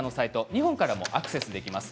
日本からもアクセスできます。